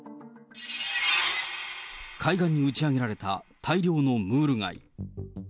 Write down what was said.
海岸に打ち上げられた大量のムール貝。